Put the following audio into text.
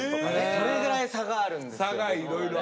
それぐらい差があるんですよ。